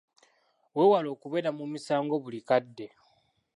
Weewale okubeera mu misango buli kadde.